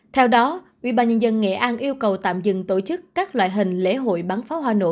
theo đó ủy ban nhân dân nghệ an yêu cầu tạm dừng tổ chức các loại hình lễ hội bán pháo hoa nổ